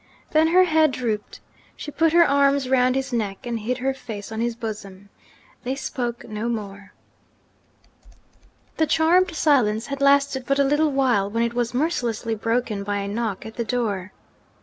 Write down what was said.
Then her head drooped. She put her arms round his neck, and hid her face on his bosom. They spoke no more. The charmed silence had lasted but a little while, when it was mercilessly broken by a knock at the door.